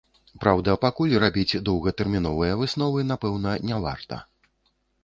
Праўда, пакуль рабіць доўгатэрміновыя высновы, напэўна, не варта.